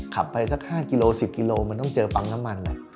ขับไปสัก๕กิโล๑๐กิโลมันต้องเจอปั๊มน้ำมัน